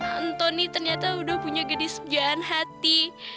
antoni ternyata udah punya genis bejaan hati